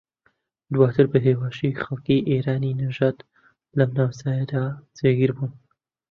دواتر بە ھێواشی خەڵکی ئێرانی نەژاد لەم ناوچەیەدا جێگیر بوون